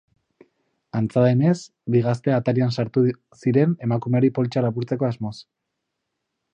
Antza denez, bi gazte atarian sartu ziren emakumeari poltsa lapurtzeko asmoz.